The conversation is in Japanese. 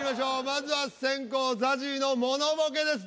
まずは先攻ＺＡＺＹのモノボケです。